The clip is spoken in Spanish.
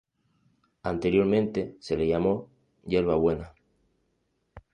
Anteriormente se le llamo Yerba Buena.